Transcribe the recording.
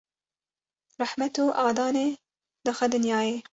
rehmet û adanê dixe dinyayê.